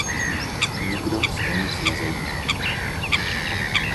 Nikdo se o ně nezajímá.